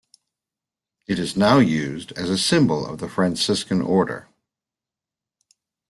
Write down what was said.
It is now used as a symbol of the Franciscan Order.